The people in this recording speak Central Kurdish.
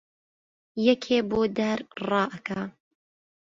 یەکێ بۆ دار ڕائەکا